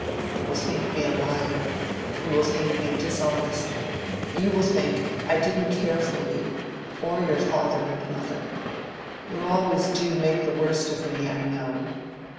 You will think me a liar. You will think me dishonest. You will think I didn't care for you, or your father and mother. You always do make the worst of me, I know."